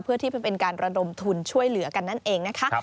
เพื่อที่เป็นการระดมทุนช่วยเหลือกันนั่นเองนะคะ